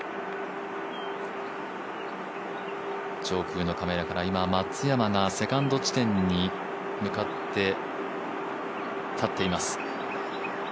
上空のカメラから松山が今、セカンド地点に向かって立っています。